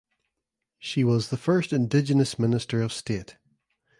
She was the first indigenous Minister of State.